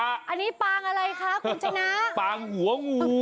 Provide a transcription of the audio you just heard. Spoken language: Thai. อันนี้ปางอะไรคะคุณชนะปางหัวงู